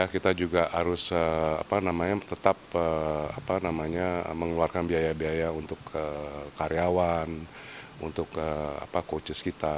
kita juga harus tetap mengeluarkan biaya biaya untuk karyawan untuk coaches kita